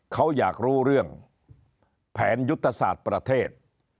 เขาอยากรู้เรื่องแผนยุทธศาสตร์ประเทศ